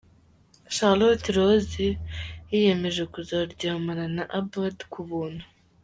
Charlotte Rose yiyemeje kuzaryamana na Abad ku buntu.